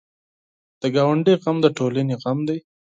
د ګاونډي غم د ټولنې غم دی